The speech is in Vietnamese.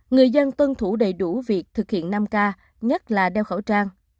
người dân tuân thủ đầy đủ việc thực hiện năm k nhất là đeo khẩu trang